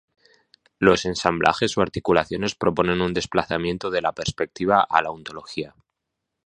Los ensamblajes o articulaciones proponen un desplazamiento de la perspectiva a la ontología.